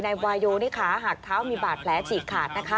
ในวายโยนี่ค่ะหากเท้ามีบาดแผลฉีกขาดนะคะ